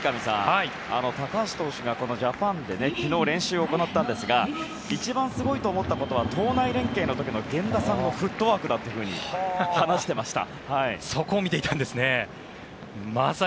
高橋投手がジャパンで昨日、練習を行ったんですが一番すごいと思った時は源田さんのフットワークだと話していました。